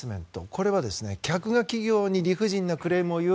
これは客が企業に理不尽なクレームを言う。